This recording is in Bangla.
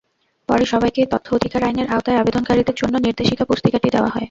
পরে সবাইকে তথ্য অধিকার আইনের আওতায় আবেদনকারীদের জন্য নির্দেশিকা-পুস্তিকাটি দেওয়া হয়।